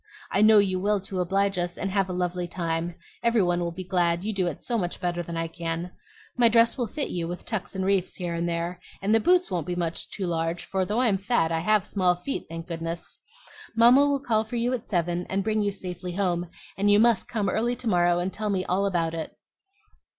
I know you will to oblige us, and have a lovely time. Every one will be glad, you do it so much better than I can. My dress will fit you, with tucks and reefs here and there; and the boots won't be much too large, for though I'm fat I have small feet, thank goodness! Mamma will call for you at seven, and bring you safely home; and you must come early to morrow and tell me all about it.